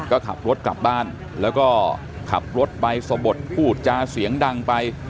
ก็ขับรถกลับบ้านแล้วก็ขับรถไปสะบดพูดจาเสียงดังไป